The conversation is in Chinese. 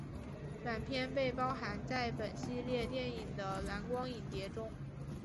短片被包含在本系列电影的蓝光影碟中。